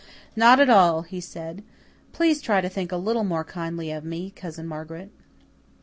"Not at all," he said. "Please try to think a little more kindly of me, Cousin Margaret."